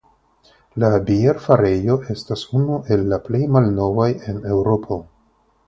La bierfarejo estas unu el la plej malnovaj en Eŭropo.